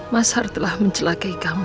mas har telah mencelakai kamu